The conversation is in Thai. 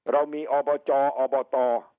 เรามีอบจอบต